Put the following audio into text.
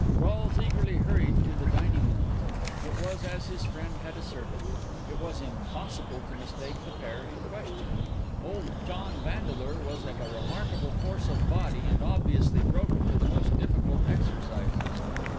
Rolles eagerly hurried to the dining room. It was as his friend had asserted; it was impossible to mistake the pair in question. Old John Vandeleur was of a remarkable force of body, and obviously broken to the most difficult exercises.